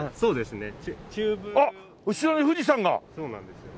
そうなんですよ。